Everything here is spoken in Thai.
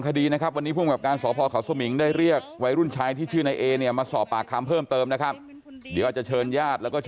ขยันแล้วเป็นเด็กที่ไม่เก่าแล้ว